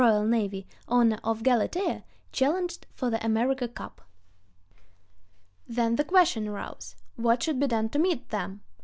N., owner of Galatea, challenged for the America Cup. Then the question arose: What should be done to meet them?